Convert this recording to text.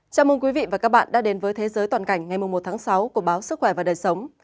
chào mừng quý vị và các bạn đã đến với thế giới toàn cảnh ngày một tháng sáu của báo sức khỏe và đời sống